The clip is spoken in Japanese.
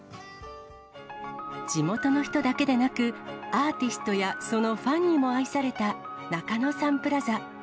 地元の人だけでなく、アーティストやそのファンにも愛された、中野サンプラザ。